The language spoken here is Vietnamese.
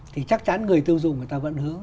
thì chắc chắn người tiêu dùng người ta vẫn hướng